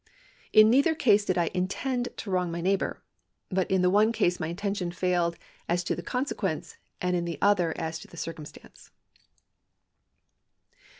In neither case did I intend to wrong my neighbour, but in the one case my intention failed as to the consequence, and in the other as to the circum stance.